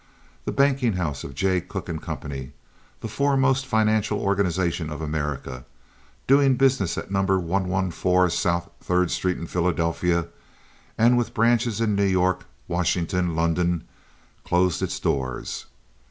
The banking house of Jay Cooke & Co., the foremost financial organization of America, doing business at Number 114 South Third Street in Philadelphia, and with branches in New York, Washington, and London, closed its doors.